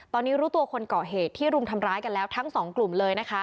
ตอนนี้รู้ตัวคนเกาะเหตุที่รุมทำร้ายกันแล้วทั้งสองกลุ่มเลยนะคะ